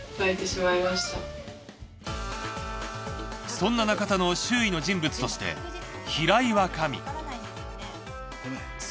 そんな中田の周囲の人物として平岩紙塚